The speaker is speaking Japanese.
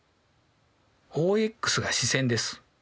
ＯＸが始線です。